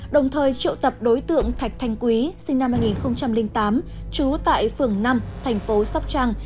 đồng thời triệu tập đối tượng thạch thanh quý sinh năm hai nghìn tám trú tại phường năm thành phố sóc trăng